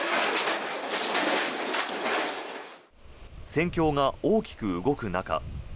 戦況が大きく動く中